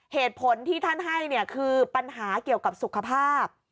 เหตุผลที่ท่านให้เนี่ยคือปัญหาเกี่ยวกับสุขภาพ